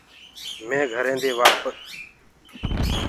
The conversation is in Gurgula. مي گھرينٚ دي آپيٚسي ڪودي آوآئيٚ ڪوشيٚش ڪرو تو